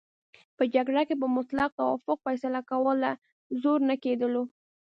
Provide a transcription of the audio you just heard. په جرګه کې به مطلق توافق فیصله کوله، زور نه کېدلو.